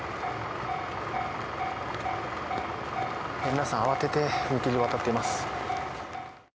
皆さん慌てて踏切を渡っています。